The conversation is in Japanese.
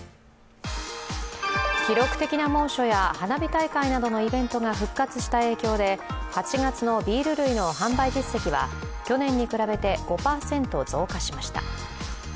記録的な猛暑や花火大会などのイベントが復活した影響で８月のビール類の販売実績は去年に比べて５％増加しました。